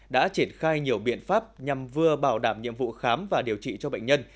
đã triển khai nhiều biện pháp nhằm vừa bảo đảm nhiệm vụ khám và điều trị cho bệnh nhân